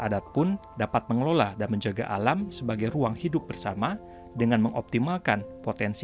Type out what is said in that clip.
adat pun dapat mengelola dan menjaga alam sebagai ruang hidup bersama dengan mengoptimalkan potensi